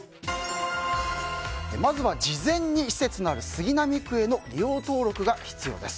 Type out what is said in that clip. まずは事前に施設のある杉並区への利用登録が必要です。